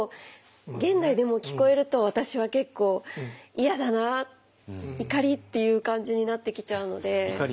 現代でも聞こえると私は結構嫌だな怒りっていう感じになってきちゃうので。